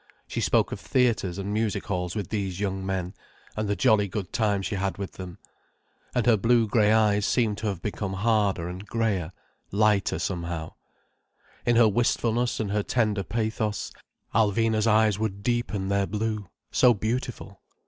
She spoke of theatres and music halls with these young men, and the jolly good time she had with them. And her blue grey eyes seemed to have become harder and greyer, lighter somehow. In her wistfulness and her tender pathos, Alvina's eyes would deepen their blue, so beautiful.